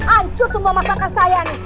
ancur semua masakan saya ini